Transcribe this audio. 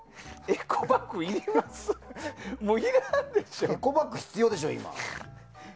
エコバッグ必要でしょ、今。